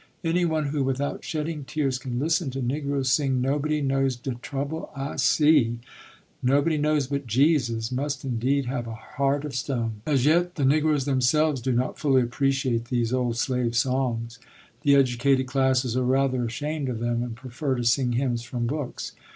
Anyone who without shedding tears can listen to Negroes sing "Nobody knows de trouble I see, Nobody knows but Jesus" must indeed have a heart of stone. As yet, the Negroes themselves do not fully appreciate these old slave songs. The educated classes are rather ashamed of them and prefer to sing hymns from books.